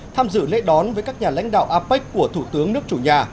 tham dự lễ đón với các nhà lãnh đạo apec của thủ tướng nước chủ nhà